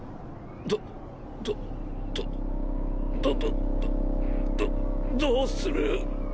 どどどどどどどどうする？